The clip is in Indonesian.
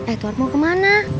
edward mau kemana